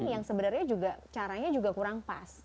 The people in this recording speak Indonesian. yang sebenarnya juga caranya juga kurang pas